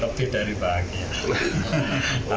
lebih dari bahagia